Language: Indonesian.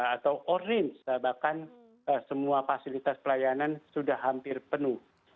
atau orange bahkan semua fasilitas pelayanan sudah hampir penuh